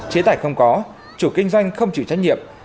chế tài không có chủ kinh doanh không chịu trách nhiệm